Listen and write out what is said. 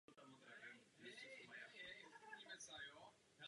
Artefakty po hornické a hutní výrobě se nacházejí v Městském muzeu Rýmařov.